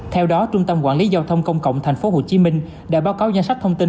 theo đó trung tâm quản lý giao thông công cộng tp hcm đã báo cáo danh sách thông tin